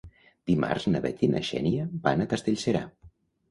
Dimarts na Bet i na Xènia van a Castellserà.